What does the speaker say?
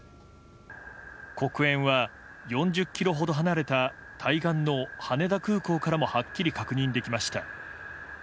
黒煙は４０ｋｍほど離れた対岸の羽田空港からもはっきり確認できました。